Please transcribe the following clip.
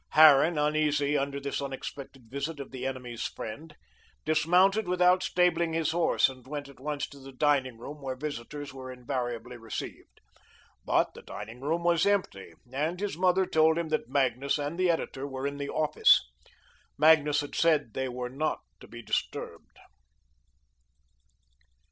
Harran, uneasy under this unexpected visit of the enemy's friend, dismounted without stabling his horse, and went at once to the dining room, where visitors were invariably received. But the dining room was empty, and his mother told him that Magnus and the editor were in the "office." Magnus had said they were not to be disturbed.